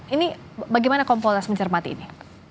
ini bagaimana kompolna semenjermati ini